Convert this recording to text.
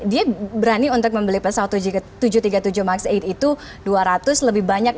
dia berani untuk membeli pesawat tujuh ratus tiga puluh tujuh max delapan itu dua ratus lebih banyak